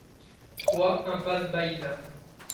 trois impasse Baïsa